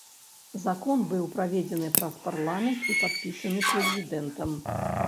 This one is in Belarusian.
Закон быў праведзены праз парламент і падпісаны прэзідэнтам.